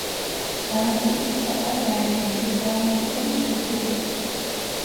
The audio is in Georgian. გალაქტიკების პატარა გაერთიანებებს გალაქტიკების ჯგუფები ეწოდება.